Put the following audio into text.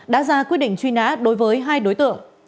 đã ra quyết định truy nã đối với hai đối tượng